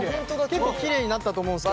結構きれいになったと思うんすけど。